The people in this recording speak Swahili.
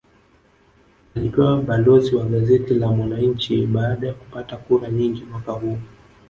Alipewa balozi wa gazeti la mwananchi baada ya kupata kura nyingi mwaka huo